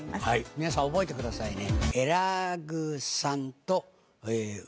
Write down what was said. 皆さん覚えてくださいね。